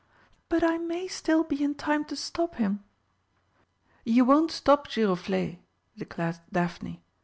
But I may still be in time to stop him!" "You won't stop Giroflé!" declared Daphne.